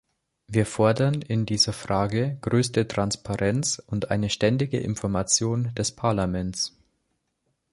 Wir fordern in dieser Frage größte Transparenz und eine ständige Information des Parlaments.